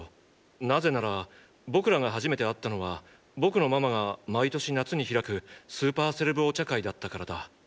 なぜなら僕らが初めて会ったのは僕のママが毎年夏に開くスーパーセレブお茶会だったからだ。